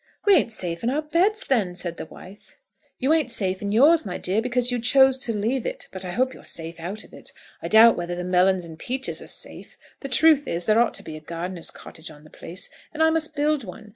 "We ain't safe in our beds, then," said the wife. "You ain't safe in yours, my dear, because you chose to leave it; but I hope you're safe out of it. I doubt whether the melons and peaches are safe. The truth is, there ought to be a gardener's cottage on the place, and I must build one.